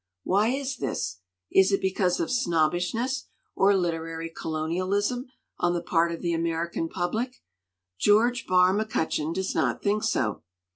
Why is this? Is it because of snobbishness or literary colonialism on the part of the American public? George Barr McCutcheon does not think so.